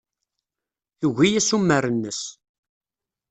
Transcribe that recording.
Tugi assumer-nnes.